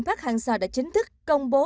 park hang seo đã chính thức công bố